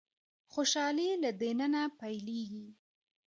خوشالي له د ننه پيلېږي.